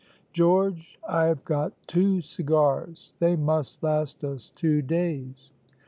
"George, I have got two cigars; they must last us two days."